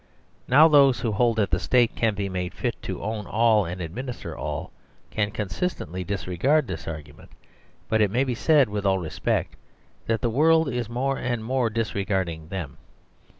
Now those who hold that the State can be made fit to own all and administer all, can consistently disregard this argument; but it may be said with all respect that the world is more and more disregarding them.